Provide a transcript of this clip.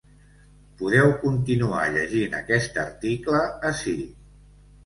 Podeu continuar llegint aquest article ací.